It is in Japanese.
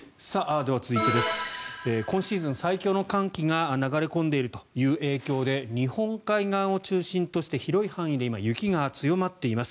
では、続いて今シーズン最強の寒気が流れ込んでいるという影響で日本海側を中心として今、広い範囲で雪が強まっています。